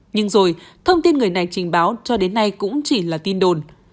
nhưng rồi thông tin người này trình báo cho đến nay cũng chỉ là tin đồn